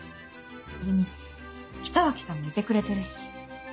それに北脇さんもいてくれてるし。